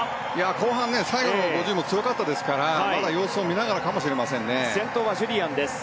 後半、最後の５０も強かったのでまだ様子を見ながらかもしれませんね。